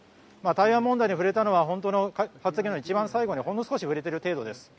台湾問題に触れたのは本当に発言の一番最後にほんの少し触れている程度です。